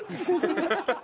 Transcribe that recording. アハハハ。